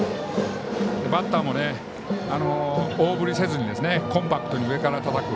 バッターも大振りせずにコンパクトに上からたたく。